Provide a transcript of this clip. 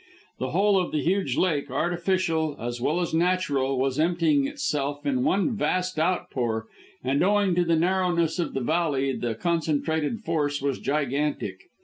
The whole of the huge lake, artificial as well as natural, was emptying itself in one vast outpour, and owing to the narrowness of the valley the concentrated force was gigantic.